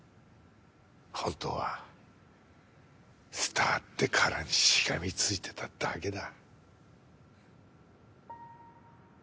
本当はスターって殻にしがみついてただけだ。